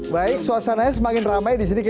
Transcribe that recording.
baik suasananya semakin ramai di sini